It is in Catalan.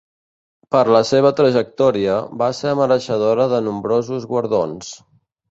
Per la seva trajectòria, va ser mereixedora de nombrosos guardons.